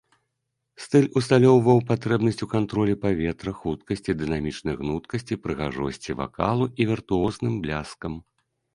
Стыль усталёўваў патрэбнасць ў кантролі паветра, хуткасці, дынамічнай гнуткасці, прыгажосці вакалу і віртуозным бляскам.